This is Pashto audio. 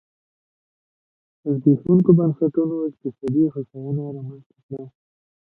زبېښونکو بنسټونو اقتصادي هوساینه رامنځته کړه.